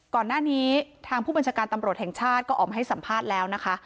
ก่อนหน้านี้ทางผู้บัญชาการตำรวจแห่งชาติก็ออกมาให้สัมภาษณ์แล้วนะคะ